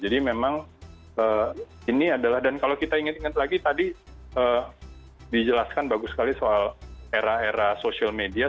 jadi memang ini adalah dan kalau kita ingat ingat lagi tadi dijelaskan bagus sekali soal era era social media